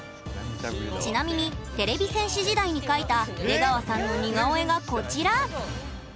ちなみにテレビ戦士時代に描いた出川さんの似顔絵がこちら！